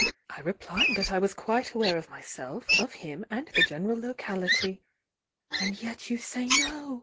I replied that I was quite aware of myself, of him, and the general locality. 'And yet you say No?'